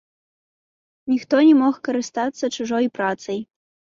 Ніхто не мог карыстацца чужой працай.